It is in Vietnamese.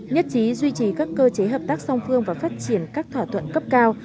nhất trí duy trì các cơ chế hợp tác song phương và phát triển các thỏa thuận cấp cao